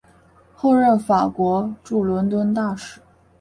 后任法国驻伦敦大使。